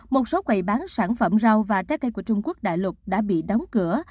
một số quầy bán sản phẩm rau và trái cây của trung quốc đại lục đã bị đóng cửa